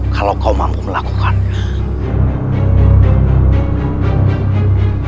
kalau kau mampu melakukannya